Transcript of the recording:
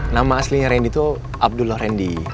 nama aslinya randy itu abdullah randy